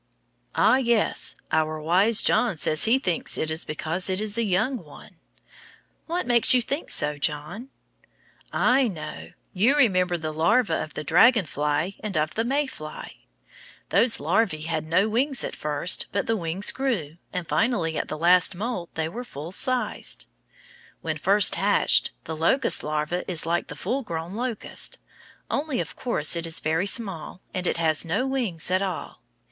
Ah, yes, our wise John says he thinks it is because it is a young one. What makes you think so, John? I know, you remembered the larva of the dragon fly and of the May fly. Those larvæ had no wings at first, but the wings grew, and finally at the last moult they were full sized. When first hatched, the locust larva is like the full grown locust, only, of course, it is very small, and it has no wings at all.